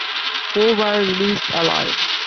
Four were released alive.